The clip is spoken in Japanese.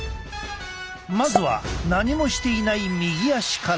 まずは何もしていない右足から。